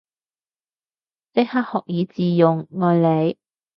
即刻學以致用，愛你